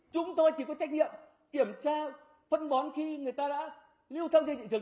chúng tôi chỉ có trách nhiệm kiểm tra phân bón khi người ta đã lưu thông trên thị trường